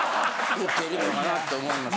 言ってるのかなと思います。